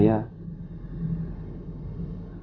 yang jelas buat saya